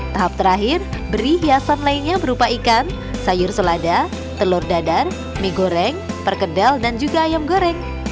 tahap terakhir beri hiasan lainnya berupa ikan sayur selada telur dadar mie goreng perkedel dan juga ayam goreng